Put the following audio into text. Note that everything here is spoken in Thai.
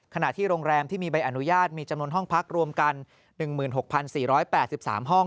ขณะที่โรงแรมที่มีใบอนุญาตมีจำนวนห้องพักรวมกัน๑๖๔๘๓ห้อง